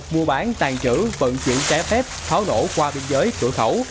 mua bán tàn trữ vận chuyển trái phép pháo nổ qua biên giới cửa khẩu